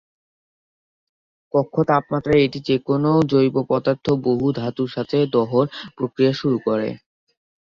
কক্ষ তাপমাত্রায় এটি যেকোনও জৈব পদার্থ ও বহু ধাতুর সাথে দহন প্রক্রিয়া শুরু করে।